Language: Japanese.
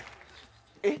えっ？